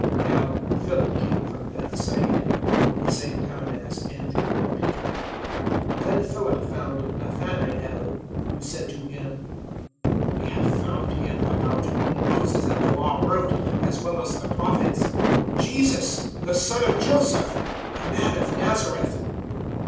001:044 (Now Philip came from Bethsaida, the same town as Andrew and Peter.) 001:045 Then Philip found Nathanael, and said to him, "We have found him about whom Moses in the Law wrote, as well as the Prophets Jesus, the son of Joseph, a man of Nazareth."